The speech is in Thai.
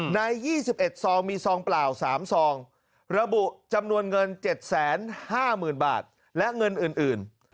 ใน๒๑ซองมีซองเปล่า๓ซองระบุจำนวนเงิน๗๕๐๐๐บาทและเงินอื่น